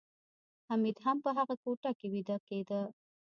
حمید هم په هغه کوټه کې ویده کېده